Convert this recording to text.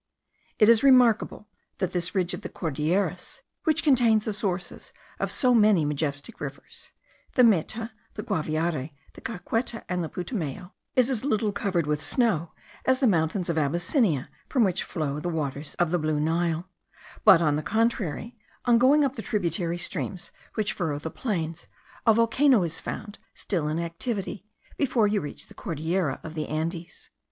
It is remarkable that this ridge of the Cordilleras, which contains the sources of so many majestic rivers (the Meta, the Guaviare, the Caqueta, and the Putumayo), is as little covered with snow as the mountains of Abyssinia from which flow the waters of the Blue Nile; but, on the contrary, on going up the tributary streams which furrow the plains, a volcano as found still in activity, before you reach the Cordillera of the Andes.